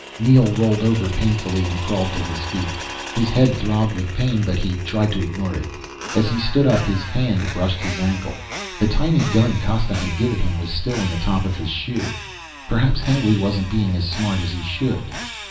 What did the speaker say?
Neel rolled over painfully and crawled to his feet. His head throbbed with pain, but he tried to ignore it. As he stood up his hand brushed his ankle. The tiny gun Costa had given him was still in the top of his shoe. Perhaps Hengly wasn't being as smart as he should.